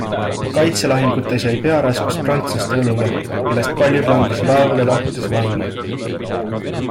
Kaitselahingutes jäi pearaskus prantslaste õlule, kellest paljud langesid laevade lahkudes vangi.